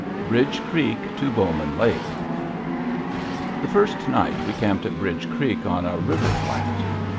III BRIDGE CREEK TO BOWMAN LAKE The first night we camped at Bridge Creek on a river flat.